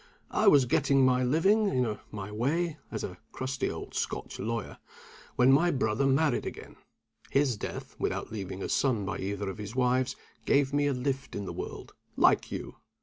I was getting my living, in my way (as a crusty old Scotch lawyer), when my brother married again. His death, without leaving a son by either of his wives, gave me a lift in the world, like you.